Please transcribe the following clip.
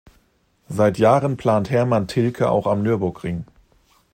Seit Jahren plant Hermann Tilke auch am Nürburgring.